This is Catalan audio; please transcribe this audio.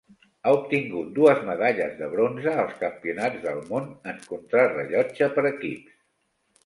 Ha obtingut dues medalles de bronze als Campionats del Món en Contrarellotge per equips.